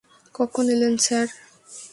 কখন এলেন স্যার?